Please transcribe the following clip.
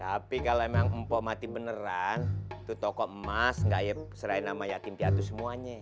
tapi kalau emang empok mati beneran tuh toko emas nggak serahin sama yatim piatu semuanya